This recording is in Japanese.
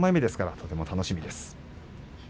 とても楽しみです。